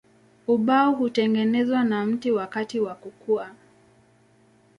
Ubao hutengenezwa na mti wakati wa kukua.